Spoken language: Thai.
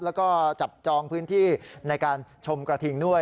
แล้วก็จับจองพื้นที่ในการชมกระทิงด้วย